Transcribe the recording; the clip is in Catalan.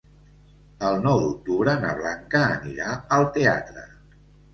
El nou d'octubre na Blanca anirà al teatre.